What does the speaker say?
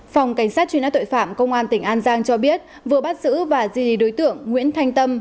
phòng cảnh sát truy nã tội phạm công an tỉnh an giang cho biết vừa bắt giữ và di đối tượng nguyễn thanh tâm